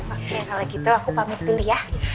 maksudnya kalau gitu aku pamit dulu ya